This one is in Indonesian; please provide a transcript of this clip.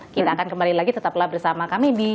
kita akan kembali lagi tetaplah bersama kami di